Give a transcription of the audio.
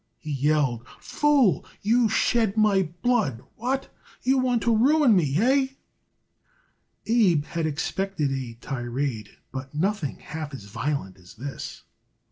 he yelled. "Fool! You shed my blood! What? You want to ruin me! Hey?" Abe had expected a tirade, but nothing half as violent as this.